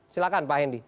silakan pak hendy